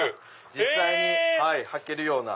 実際に履けるような。